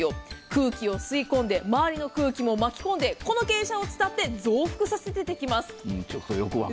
空気を吸い込んで、周りの空気も巻き込んで、この傾斜を使って増幅させてできます。